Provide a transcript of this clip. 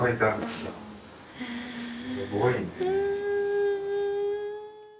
すごいね。